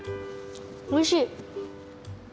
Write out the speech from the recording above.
おいしい！